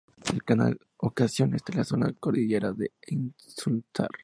El canal Ocasión está en la zona cordillerana o insular.